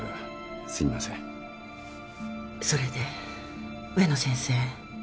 それで植野先生。